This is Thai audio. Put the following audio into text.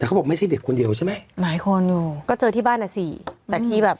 แต่เขาบอกไม่ใช่เด็กคนเดียวใช่ไหมหลายคนอยู่ก็เจอที่บ้านอ่ะสิแต่ที่แบบ